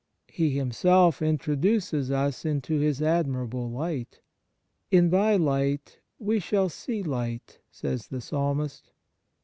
He Him self introduces us into His admirable light. " In Thy light we shall see light," says the Psalmist.